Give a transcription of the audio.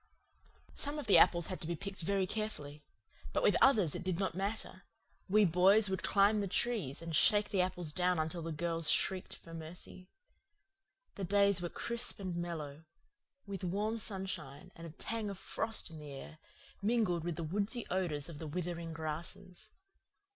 Some of the apples had to be picked very carefully. But with others it did not matter; we boys would climb the trees and shake the apples down until the girls shrieked for mercy. The days were crisp and mellow, with warm sunshine and a tang of frost in the air, mingled with the woodsy odours of the withering grasses.